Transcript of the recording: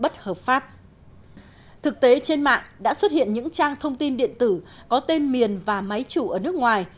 thực tế trên mạng đã xuất hiện những trang thông tin điện tử có tên miền và máy chủ ở nước ngoài